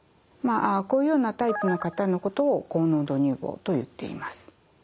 こういうようなタイプの方のことを高濃度乳房といっています。